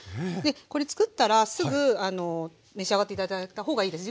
これつくったらすぐ召し上がって頂いたほうがいいです。